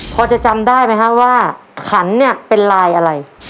พอจะจำได้ไหมฮะว่าขันเนี่ยเป็นลายอะไร